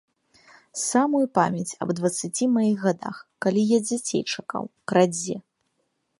Самую памяць аб дваццаці маіх гадах, калі я дзяцей чакаў, крадзе!